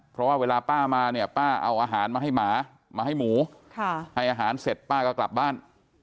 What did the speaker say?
เพราะว่าเวลาป้ามาเนี่ยป้าเอาอาหารมาให้หมามาให้หมูให้อาหารเสร็จป้าก็กลับบ้าน